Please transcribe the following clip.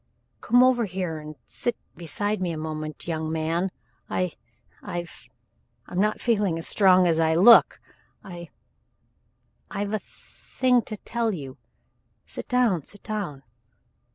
"Come over here and sit beside me a moment, young man I I've I'm not feeling as strong as I look. I I've a thing to tell you. Sit down sit down.